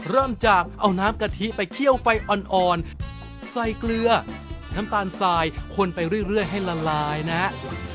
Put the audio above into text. เริ่มจากเอาน้ำกะทิไปเคี่ยวไฟอ่อนใส่เกลือน้ำตาลสายคนไปเรื่อยให้ละลายนะฮะ